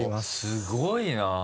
すごいな。